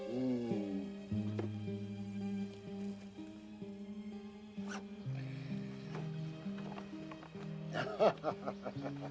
menjadi kemampuan anda